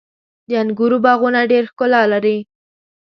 • د انګورو باغونه ډېره ښکلا لري.